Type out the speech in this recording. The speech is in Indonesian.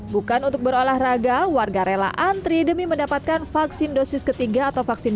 bukan untuk berolahraga warga rela antri demi mendapatkan vaksin dosis ketiga atau vaksin